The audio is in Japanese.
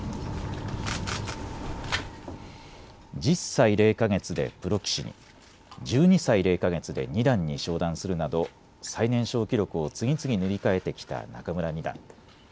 １０歳０か月でプロ棋士に、１２歳０か月で二段に昇段するなど最年少記録を次々、塗り替えてきた仲邑二段。